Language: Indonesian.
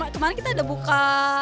kemarin kita udah buka satu lima ratus